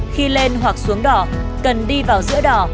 khi lên hoặc xuống đỏ cần đi vào giữa đỏ